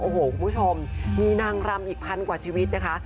โอ้โหคุณผู้ชมมีนางรำอีกพันกว่าชีวิตนะคะ